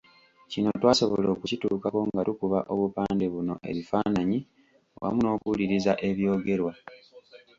Kino twasobola okukituukako nga tukuba obupande buno ebifaananyi wamu n'okuwuliriza ebyogerwa.